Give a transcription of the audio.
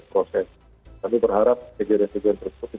tidak terjadi lagi